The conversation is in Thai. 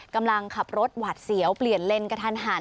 กำลังขับรถหวัดเสียวเปลี่ยนเลนกระทันหัน